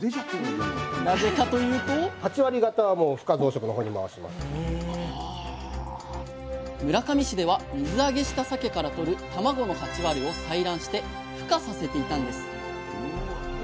なぜかというと村上市では水揚げしたさけからとる卵の８割を採卵してふ化させていたんです。